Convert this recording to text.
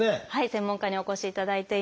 専門家にお越しいただいています。